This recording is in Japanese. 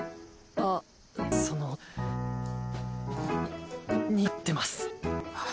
あっそのに似合ってます。